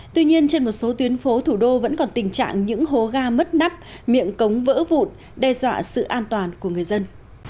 tuy nhiên trên một số tuyến phố thủ đô vẫn còn tình trạng những hố ga mất nắp miệng cống vỡ vụn đe dọa sự an toàn của người dân